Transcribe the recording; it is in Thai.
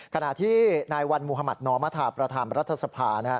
ขณะที่นายวันมุธมัธนอมธาประธานรัฐสภา